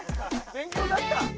勉強になった。